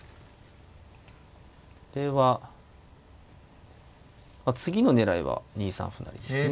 これは次の狙いは２三歩成ですね。